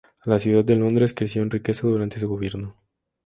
La ciudad de Londres creció en riqueza durante su gobierno.